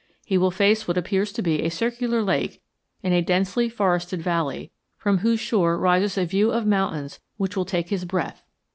He will face what appears to be a circular lake in a densely forested valley from whose shore rises a view of mountains which will take his breath.